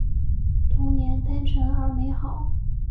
童年单纯而美好